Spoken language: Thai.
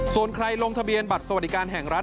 ส่วนใครลงทะเบียนบัตรสวัสดิการแห่งรัฐ